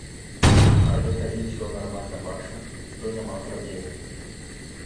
Але калі ўсё нармальна бачна, то няма праблемы.